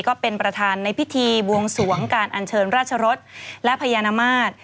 ก็เป็นประธานในพิธีบวงสวงการอัญเชิญราชรสและพญานมาตร